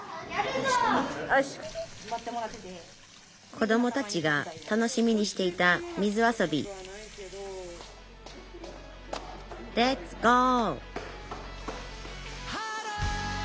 こどもたちが楽しみにしていた水遊びレッツゴー！